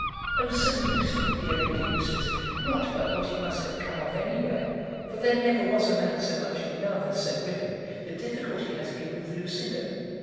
"Oh, so useful, dear Lady Eustace! Not but what it must have come off anywhere, for there never was a man so much in love as Sir Griffin. The difficulty has been with Lucinda."